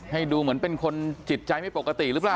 ให้ดูเหมือนเป็นคนจิตใจไม่ปกติหรือเปล่า